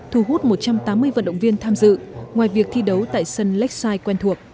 thu hút một trăm tám mươi vận động viên tham dự ngoài việc thi đấu tại sân lakeside quen thuộc